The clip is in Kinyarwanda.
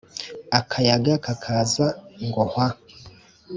Akayaga kakaza ngo hwa